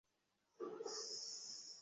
সে এখনো দেরি আছে।